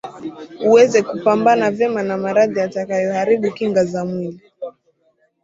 uweze kupambana vema na maradhi yatakayoharibu kinga za mwili